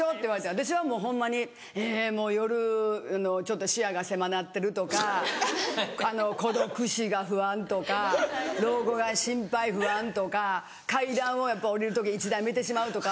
私はホンマに夜の視野が狭なってるとか孤独死が不安とか老後が心配不安とか階段をやっぱ下りる時１段見てしまうとか。